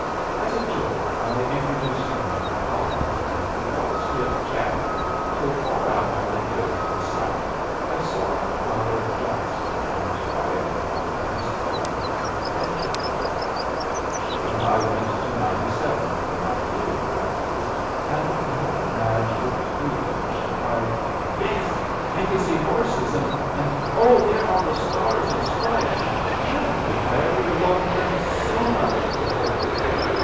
As a joke I introduced him to the Cullens, and we all stood chatting till far out on the hill to the south I saw a cloud of dust and quietly called Miss Cullen's attention to it. She and I went to 97 for my field glasses, and the moment Madge looked through them she cried, "Yes, I can see horses, and, oh, there are the stars and stripes! I don't think I ever loved them so much before."